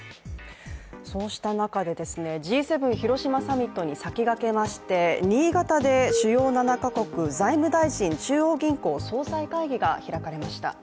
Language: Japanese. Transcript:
そうした中で、Ｇ７広島サミットに先駆けまして新潟で主要７か国財務大臣・中央銀行総裁会議が開かれました。